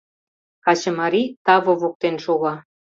Качымарий таве воктен шога.